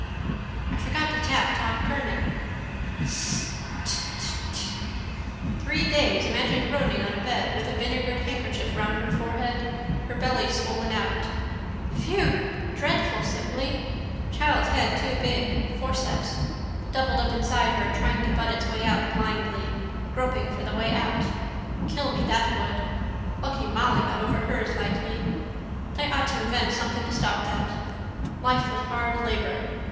I forgot to tap Tom Kernan. Sss. Dth, dth, dth! Three days imagine groaning on a bed with a vinegared handkerchief round her forehead, her belly swollen out. Phew! Dreadful simply! Child's head too big: forceps. Doubled up inside her trying to butt its way out blindly, groping for the way out. Kill me that would. Lucky Molly got over hers lightly. They ought to invent something to stop that. Life with hard labour.